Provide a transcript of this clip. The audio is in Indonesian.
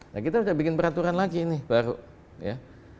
nah kita udah bikin peraturan lagi ini baru ya